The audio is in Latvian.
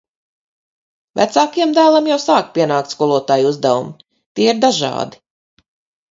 Vecākajam dēlam jau sāk pienākt skolotāju uzdevumi. Tie ir dažādi.